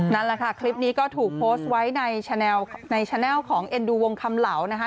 นั่นแหละค่ะคลิปนี้ก็ถูกโพสต์ไว้ในแชนแลลของเอ็นดูวงคำเหล่านะคะ